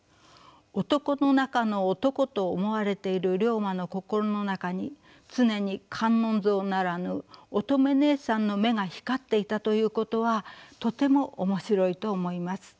男の中の男と思われている竜馬の心の中に常に観音像ならぬ乙女姉さんの眼が光っていたということはとても面白いと思います。